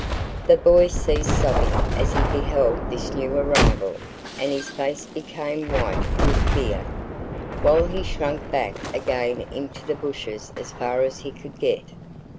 The boy ceased sobbing as he beheld this new arrival and his face became white with fear, while he shrank back again into the bushes as far as he could get.